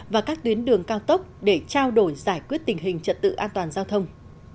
và các tuyến đường cao tốc để trao đổi giải quyết tình hình trật tự an toàn giao thông